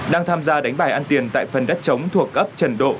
đang tham gia đánh bài ăn tiền tại phần đất chống thuộc ấp trần độ